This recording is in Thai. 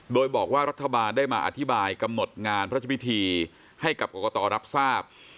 โดยบอกว่ารัฐบาลได้มาอธิบายกำหนดงานพระเจ้าพิธีให้กับกรกตรับทราบ